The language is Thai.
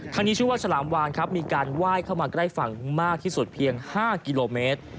นี้ชื่อว่าฉลามวานครับมีการไหว้เข้ามาใกล้ฝั่งมากที่สุดเพียง๕กิโลเมตร